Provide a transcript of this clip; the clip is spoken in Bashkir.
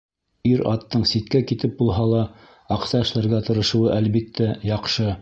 Ир-аттың ситкә китеп булһа ла аҡса эшләргә тырышыуы, әлбиттә, яҡшы.